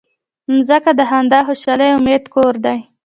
مځکه د خندا، خوشحالۍ او امید کور دی.